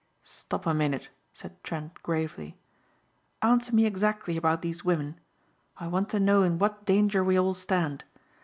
"Stop a minute," said Trent gravely. "Answer me exactly about these women. I want to know in what danger we all stand.